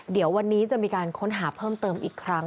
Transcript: เดี๋ยววันนี้จะมีการค้นหาเพิ่มเติมอีกครั้ง